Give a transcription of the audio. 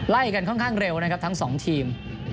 ไล่กันค่อนข้างเร็วนะครับทั้งสองทีม